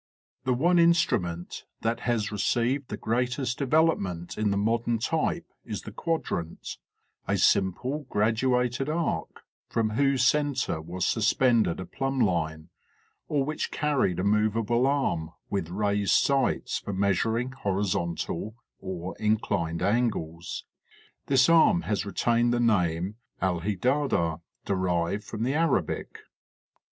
245 The one instrument that has received the greatest develop ment in the modern type is the quadrant, a simple graduated are from whose center was suspended a plumb line, or which carried a movable arm with raised sights for measuring horizontal or in clined angles. This arm has retained the name alhidada derived from the Arabic.